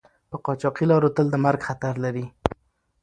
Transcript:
په قاچاقي لارو تل د مرګ خطر لری